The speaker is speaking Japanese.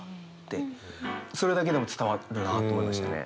それだけでも伝わるなと思いましたね。